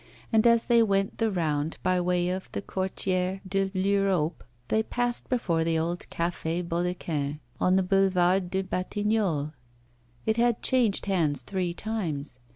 And as they went the round by way of the Quartier de l'Europe, they passed before the old Café Baudequin on the Boulevard des Batignolles. It had changed hands three times.